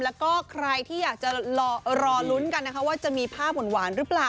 แล้วก็ใครที่อยากจะรอลุ้นกันนะคะว่าจะมีภาพหวานหรือเปล่า